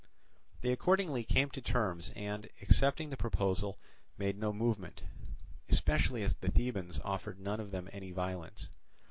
They accordingly came to terms and, accepting the proposal, made no movement; especially as the Thebans offered none of them any violence.